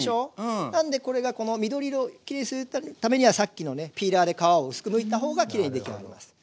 なのでこれがこの緑色をきれいにするためにはさっきのピーラーで皮を薄くむいた方がきれいにできあがります。